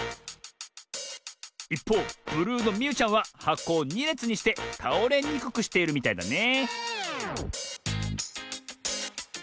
いっぽうブルーのみゆちゃんははこを２れつにしてたおれにくくしているみたいだね